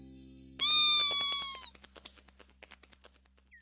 ピ！